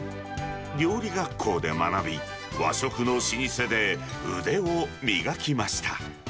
料理学校で学び、和食の老舗で腕を磨きました。